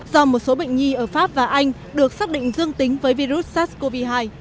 do một số bệnh nhi ở pháp và anh được xác định dương tính với virus sars cov hai